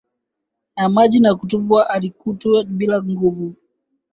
ya maji na kutupwa akituacha bila nguvu